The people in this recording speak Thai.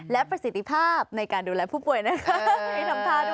และประสิทธิภาพในการดูแลผู้ป่วยนะคะ